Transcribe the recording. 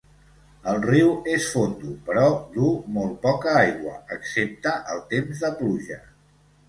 El riu és fondo, però duu molt poca aigua excepte el temps de pluja.